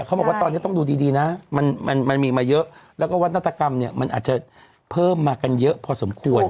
เขาบอกว่าตอนนี้ต้องดูดีนะมันมีมาเยอะแล้วก็วัตกรรมเนี่ยมันอาจจะเพิ่มมากันเยอะพอสมควร